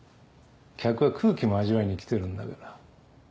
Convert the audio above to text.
客は空気も味わいに来てるんだから。